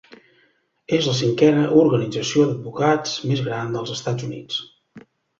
És la cinquena organització d'advocats més gran dels Estats Units.